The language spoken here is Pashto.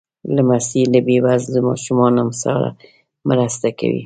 لمسی له بې وزله ماشومانو سره مرسته کوي.